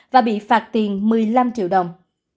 và bị phạt tiền một mươi năm triệu đồng